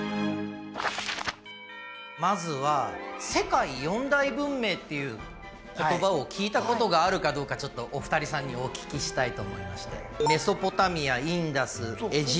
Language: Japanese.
まずは「世界四大文明」っていう言葉を聞いたことがあるかどうかちょっとお二人さんにお聞きしたいと思いまして。